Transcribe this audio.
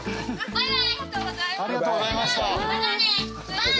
バイバイ！